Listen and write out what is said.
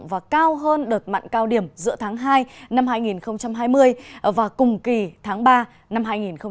và cao hơn đợt mặn cao điểm giữa tháng hai năm hai nghìn hai mươi và cùng kỳ tháng ba năm hai nghìn hai mươi